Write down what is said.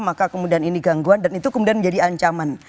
maka kemudian ini gangguan dan itu kemudian menjadi ancaman